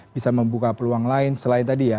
bisa membuka peluang lain selain tadi ya